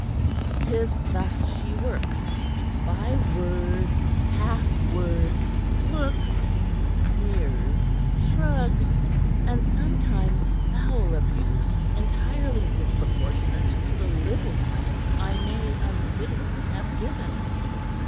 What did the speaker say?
'Tis thus she works: by words, half words, looks, sneers, shrugs, and sometimes foul abuse entirely disproportionate to the little cause I may unwittingly have given."